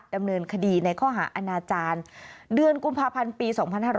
ดำเนินคดีในข้อหาอาณาจารย์เดือนกุมภาพันธ์ปี๒๕๕๙